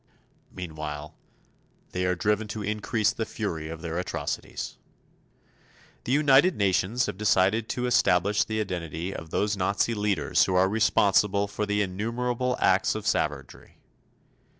Meanwhile, they are driven to increase the fury of their atrocities. The United Nations have decided to establish the identity of those Nazi leaders who are responsible for the innumerable acts of savagery.